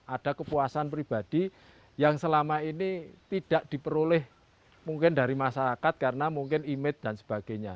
ada kepuasan pribadi yang selama ini tidak diperoleh mungkin dari masyarakat karena mungkin image dan sebagainya